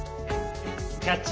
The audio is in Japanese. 「キャッチ！